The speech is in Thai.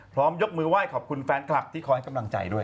พร้อมยกมือไหว้ขอบคุณแฟนคลักษณ์ที่คอยกำลังใจด้วย